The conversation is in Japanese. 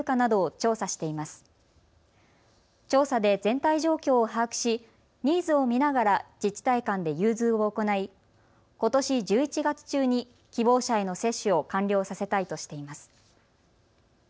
調査で全体状況を把握しニーズを見ながら自治体間で融通を行いことし１１月中に希望者への接種を完了させたいとしています。